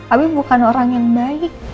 abi bukan orang yang baik